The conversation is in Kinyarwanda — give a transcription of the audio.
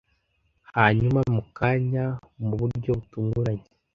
Hanyuma, mu kanya, mu buryo butunguranye,